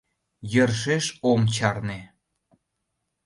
Йӧршеш ом чарне...